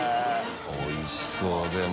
おいしそうでも。